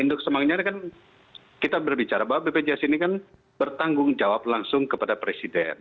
induk semangnya ini kan kita berbicara bahwa bpjs ini kan bertanggung jawab langsung kepada presiden